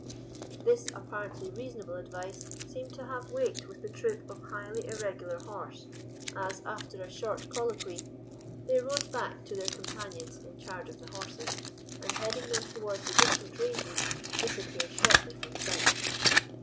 "This apparently reasonable advice seemed to have weight with the troop of highly irregular horse, as, after a short colloquy, they rode back to their companions in charge of the horses, and heading them towards the distant ranges, disappeared shortly from sight.